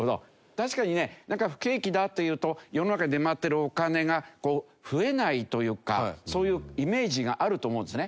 確かにねなんか不景気だというと世の中に出回っているお金が増えないというかそういうイメージがあると思うんですね。